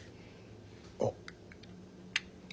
あっ。